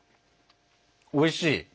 おいしい。